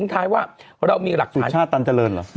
ท้ายว่าเรามีหลักฐานชาติตันเจริญเหรอ